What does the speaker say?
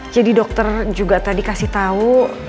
jadi dokter juga tadi kasih tau